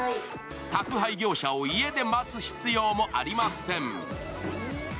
宅配業者を家で待つ必要もありません。